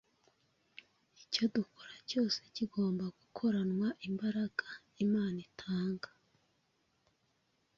Icyo dukora cyose kigomba gukoranwa imbaraga Imana itanga.